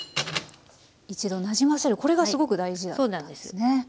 一度なじませるこれがすごく大事だったんですね。